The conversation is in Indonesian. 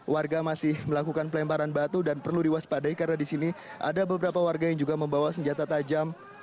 warga masih melakukan pelemparan batu dan perlu diwaspadai karena di sini ada beberapa warga yang juga membawa senjata tajam